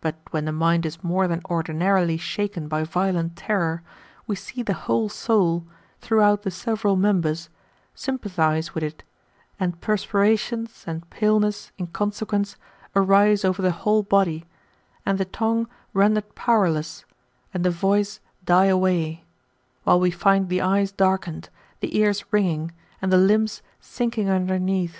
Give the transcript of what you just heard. But when the mind is more than ordinarily shaken by violent terror, we see the whole soul, throughout the several members, S3rmpathize with it, and perspirations and paleness, in consequence, arise over the whole body, and the tongue rendered powerless and the voice die away ; while we find the eyes darkened, the ears ringing, and the limbs sinking underneath.